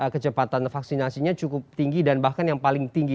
kecepatan vaksinasinya cukup tinggi dan bahkan yang paling tinggi